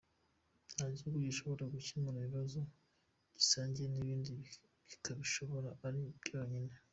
Nta gihugu gishobora gukemura ikibazo gisangiye n’ibindi kikabishobora ari cyonyine.